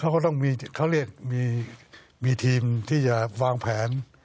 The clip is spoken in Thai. เขาก็ต้องมีเขาเรียกมีทีมที่จะวางแผน